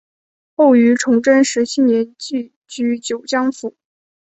后于崇祯十七年寄居九江府。